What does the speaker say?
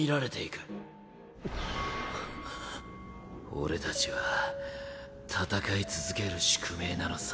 俺たちは戦い続ける宿命なのさ。